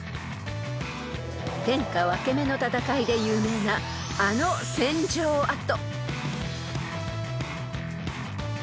［天下分け目の戦いで有名なあの戦場跡］